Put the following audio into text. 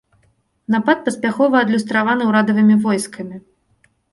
Напад паспяхова адлюстраваны ўрадавымі войскамі.